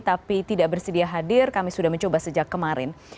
tapi tidak bersedia hadir kami sudah mencoba sejak kemarin